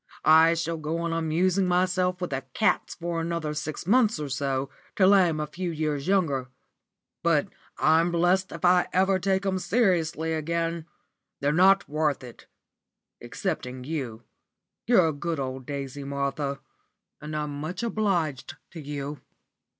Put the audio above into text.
I shall go on amusing myself with the cats for another six months or so, till I'm a few years younger, but I'm blest if I ever take 'em seriously again. They're not worth it excepting you. You're a good old daisy, Martha, and I'm much obliged to you."